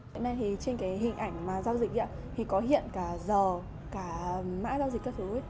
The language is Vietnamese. trên hình ảnh giao dịch có hiện cả giờ cả mã giao dịch các thứ